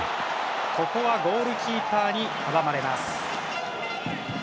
ここはゴールキーパーに阻まれます。